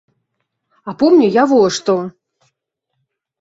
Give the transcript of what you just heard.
А помню я во што.